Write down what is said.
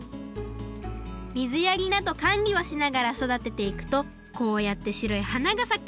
水やりなどかんりをしながらそだてていくとこうやってしろいはながさく。